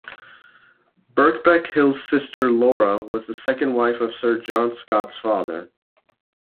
Birkbeck Hill's sister Laura was the second wife of Sir John Scott's father.